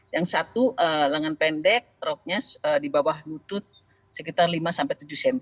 yang satu lengan pendek roknya di bawah lutut sekitar lima sampai tujuh cm